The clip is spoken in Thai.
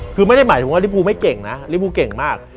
คือไม่ได้หมายถึงว่าลิภูไม่เก่งนะลิภูเก่งมาก